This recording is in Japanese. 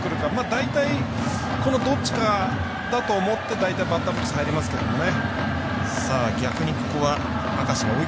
大体、どっちかだと思ってバッターボックス入りますけどね。